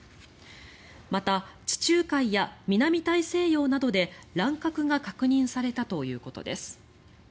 また、地中海や南大西洋などで乱獲が確認されたということです。